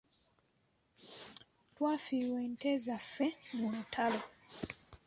Twafiirwa ente zaffe mu lutalo.